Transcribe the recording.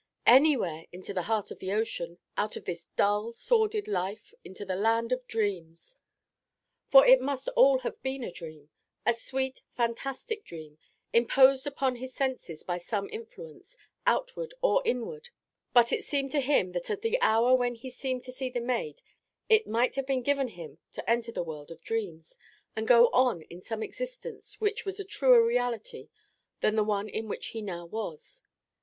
Anywhere into the heart of the ocean, out of this dull, sordid life into the land of dreams." For it must all have been a dream a sweet, fantastic dream, imposed upon his senses by some influence, outward or inward; but it seemed to him that at the hour when he seemed to see the maid it might have been given him to enter the world of dreams, and go on in some existence which was a truer reality than the one in which he now was.